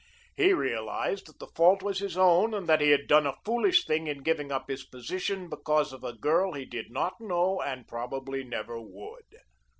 He realized that the fault was his own and that he had done a foolish thing in giving up his position because of a girl he did not know and probably never would.